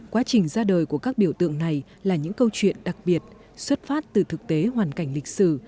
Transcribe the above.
quá trình ra đời của các biểu tượng này là những câu chuyện đặc biệt xuất phát từ thực tế hoàn cảnh lịch sử